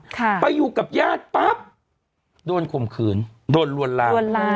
ค่ะไปอยู่กับญาติปั๊บโดนควมขืนโดนรวนร้านรวนร้าน